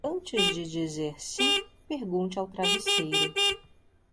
Antes de dizer sim, pergunte ao travesseiro.